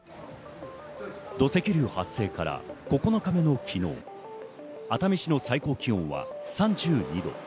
土石流発生から９日目の昨日、熱海市の最高気温は３２度。